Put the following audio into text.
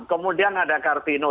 kemudian ada carteino